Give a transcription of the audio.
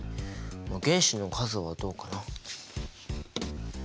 原子の数はどうかな？